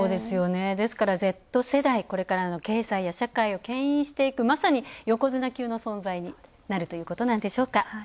ですから、Ｚ世代、これからの経済や社会をけん引していく、まさに横綱級の存在になるということなんでしょか。